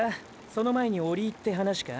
その前に折り入って話か？